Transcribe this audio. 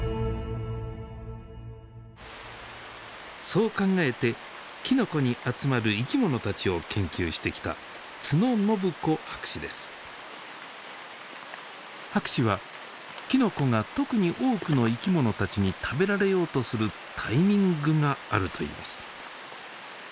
そう考えてきのこに集まる生きものたちを研究してきた博士はきのこが特に多くの生きものたちに食べられようとするタイミングがあるといいます。